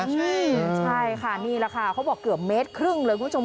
ใช่ค่ะนี่แหละค่ะเขาบอกเกือบเมตรครึ่งเลยคุณผู้ชม